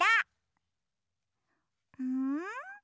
うん？